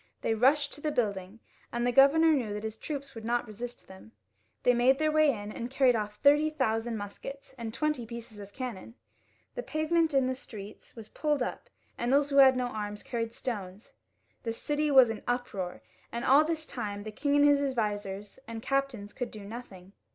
They rushed to the building, and the governor knew that his troops would not resist them. They made their way in, and carried oflf thirty thousand muskets and twenty pieces of cannon. The pavement in the streets was pulled up; those who had no arms carried stones ; the city was ui an uproar, and all this time the king and his advisers and captains could do nothing.